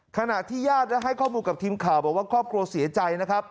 ขณะที่ญาติได้ให้ข้อมูลกับทีมข่าวบอกว่าครอบครัวเสียใจนะครับ